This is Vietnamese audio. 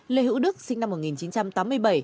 lê hữu đức sinh năm một nghìn chín trăm tám mươi bảy